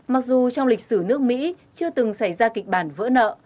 mặc dù trong lịch sử nước mỹ chưa từng xảy ra kịch bản vỡ nợ